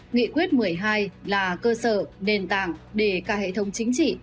nghị quyết một mươi hai là cơ sở nền tảng để cả hệ thống chính trị